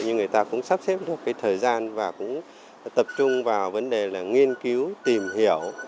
nhưng người ta cũng sắp xếp được thời gian và tập trung vào vấn đề nghiên cứu tìm hiểu